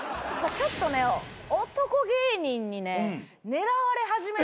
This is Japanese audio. ちょっとね男芸人にね狙われ始めてる。